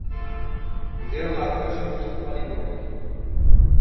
দেহ হালকা সবুজ-রুপালি বর্ণের।